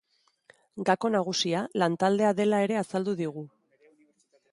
Gako nagusia, lantaldea dela ere azaldu digu.